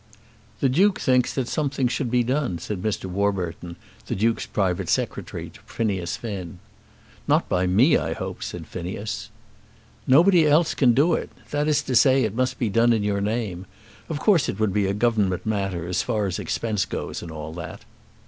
"The Duke thinks that something should be done," said Mr. Warburton, the Duke's private Secretary, to Phineas Finn. "Not by me, I hope," said Phineas. "Nobody else can do it. That is to say it must be done in your name. Of course it would be a Government matter, as far as expense goes, and all that."